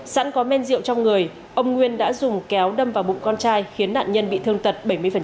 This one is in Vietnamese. sẵn có men rượu trong người ông nguyên đã dùng kéo đâm vào bụng con trai khiến nạn nhân bị thương tật bảy mươi